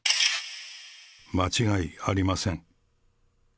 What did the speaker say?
間違いありません。